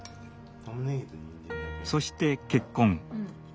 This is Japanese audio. そして結婚。